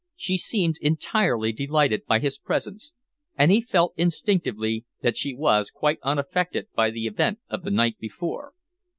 She seemed entirely delighted by his presence, and he felt instinctively that she was quite unaffected by the event of the night before.